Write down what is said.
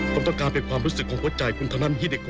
ผมต้องการเป็นความรู้สึกของหัวใจคุณเท่านั้นที่เด็ก